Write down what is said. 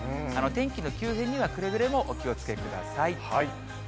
天気の急変にはくれぐれもお気をつけください。